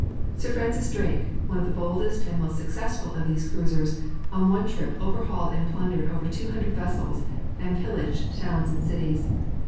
Sir Francis Drake, one of the boldest and most successful of these cruisers, on One trip overhauled and plundered over 200 vessels and pillaged towns and cities.